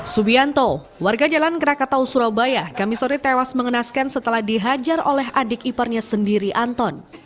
subianto warga jalan krakatau surabaya kamisori tewas mengenaskan setelah dihajar oleh adik iparnya sendiri anton